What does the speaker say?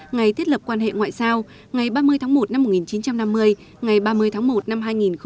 ngày thiết lập quan hệ ngoại giao ngày ba mươi tháng một năm một nghìn chín trăm năm mươi ngày ba mươi tháng một năm hai nghìn hai mươi